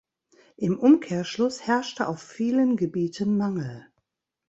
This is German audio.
Im Umkehrschluss herrschte auf vielen Gebieten Mangel.